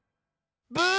ブー！